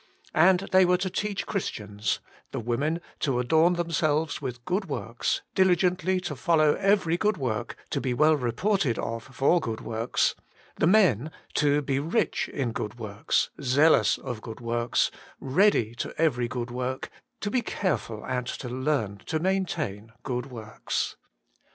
And they were to teach Christians — the women to adorn themselves with good works, dihgently to follow every good work, to be well reported of for good works; the men to be rich in good works, zealous of good works, ready to every good work, to be careful and to learn to maintain good works.